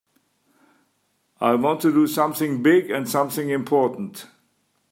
I want to do something big and something important.